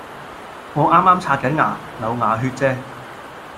我啱啱刷緊牙，流牙血啫